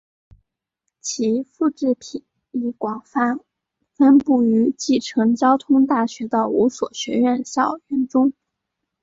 其复制品亦广泛分布于继承交通大学的五所学校校园中。